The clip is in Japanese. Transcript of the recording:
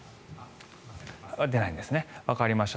出ないですねわかりました。